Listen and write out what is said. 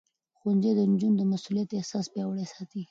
ښوونځی نجونې د مسؤليت احساس پياوړې ساتي.